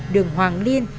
đường hoàng liên